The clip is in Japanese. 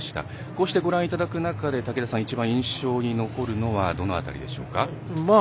こうしてご覧いただく中で武田さん、一番印象に残るのはどの辺りでしょうか？